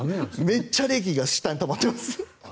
めっちゃ冷気が下にたまってます。